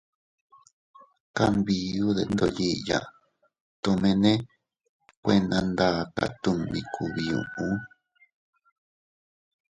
Kanbiu detndoyiya tomene kuena ndaka tummi kubiuu.